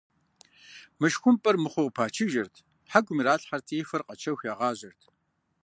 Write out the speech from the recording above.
Мышхумпӏэр мыхъуу къыпачыжырт, хьэкум иралъхьэрти, и фэр къэчэху, ягъажьэрт.